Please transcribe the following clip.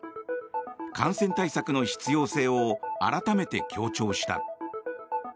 感染対策の必要性を改めて強調した。